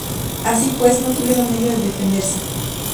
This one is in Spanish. Así pues, no tuvieron medio de defenderse.